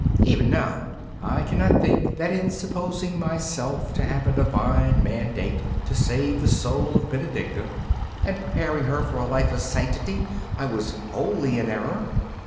Even now I cannot think that in supposing myself to have a divine mandate to save the soul of Benedicta, and prepare her for a life of sanctity, I was wholly in error.